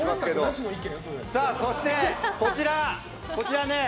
そして、こちら。